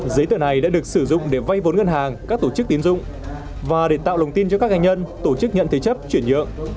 giấy tờ này đã được sử dụng để vay vốn ngân hàng các tổ chức tiến dụng và để tạo lòng tin cho các doanh nhân tổ chức nhận thế chấp chuyển nhượng